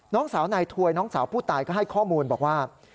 น้องสาวนายถวยน้องสาวผู้ตายก็ให้ข้อมูลบอกว่า